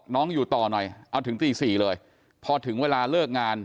อยู่ต่อหน่อยเอาถึงตี๔เลยพอถึงเวลาเลิกงาน